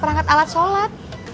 perangkat alat sholat